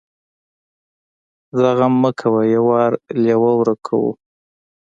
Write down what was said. ځه غم مه کوه يو وار لېوه ورک کو.